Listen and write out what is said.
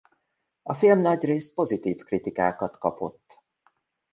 A film nagyrészt pozitív kritikákat kapott.